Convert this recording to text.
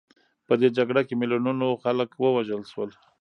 په دې جګړه کې میلیونونو خلک ووژل شول.